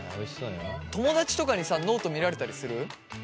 友だちとかにさノート見られたりする？